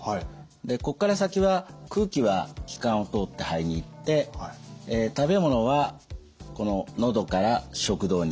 でここから先は空気は気管を通って肺に行って食べ物はこの喉から食道に行きます。